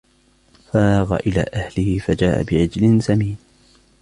فَرَاغَ إِلَى أَهْلِهِ فَجَاءَ بِعِجْلٍ سَمِينٍ